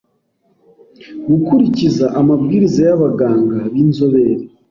Gukurikiza amabwiriza y’abaganga b’inzobere,